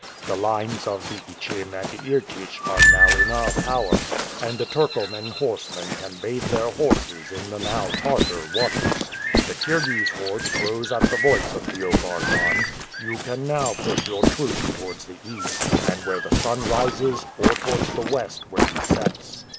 The lines of the Ichim and the Irtych are now in our power; and the Turcoman horsemen can bathe their horses in the now Tartar waters. The Kirghiz hordes rose at the voice of Feofar Khan. You can now push your troops towards the east, and where the sun rises, or towards the west, where he sets."